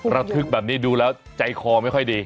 ระทึกแบบนี้ดูแล้วใจคอไม่ค่อยดี